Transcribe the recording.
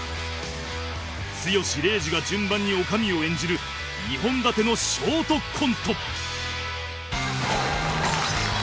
剛礼二が順番に女将を演じる２本立てのショートコント